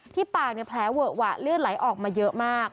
ปากแผลเวอะหวะเลือดไหลออกมาเยอะมาก